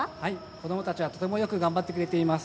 子どもたちはとてもよく頑張ってくれています。